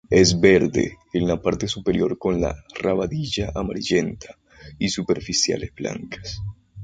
Es verde en la parte superior con la rabadilla amarillenta y superciliares blancas.